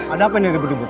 ada apa nih dibut but